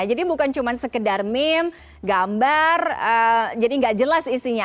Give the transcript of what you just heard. jadi bukan cuma sekedar mem gambar jadi gak jelas isinya